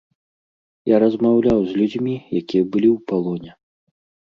Я размаўляў з людзьмі, якія былі ў палоне.